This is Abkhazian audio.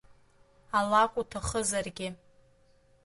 Алакә уҭахызаргьы!